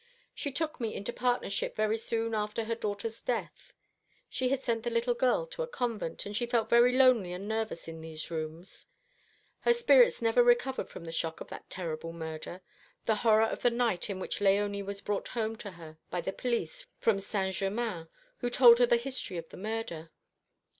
She took me into partnership very soon after her daughter's death. She had sent the little girl to a convent, and she felt lonely and nervous in these rooms. Her spirits never recovered from the shock of that terrible murder the horror of the night in which Léonie was brought home to her by the police from Saint Germain, who told her the history of the murder.